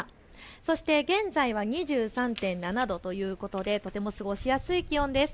そして現在は２３．７度ということでとても過ごしやすい気温です。